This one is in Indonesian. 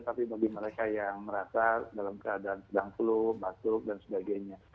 tapi bagi mereka yang merasa dalam keadaan sedang flu batuk dan sebagainya